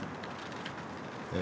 え